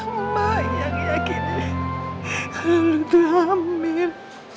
mama yang yakin lu tuh hamil